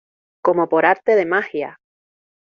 como por arte de magia.